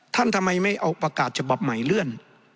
ทำไมไม่เอาประกาศฉบับใหม่เลื่อน